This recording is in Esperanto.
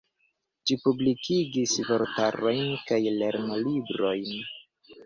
Ĝi publikigis vortarojn kaj lernolibrojn.